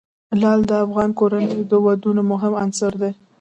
لعل د افغان کورنیو د دودونو مهم عنصر دی.